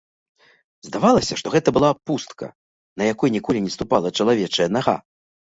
Здавалася, што гэта была пустка, на якой ніколі не ступала чалавечая нага.